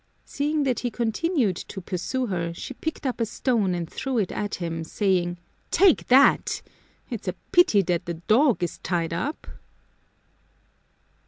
Seeing that he continued to pursue her, she picked up a stone and threw it at him, saying, "Take that! It's a pity that the dog is tied up!"